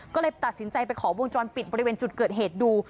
ก็เลยตัดสินใจไปขอวงจรปิดบริเวณจุดเกิดเหตุดู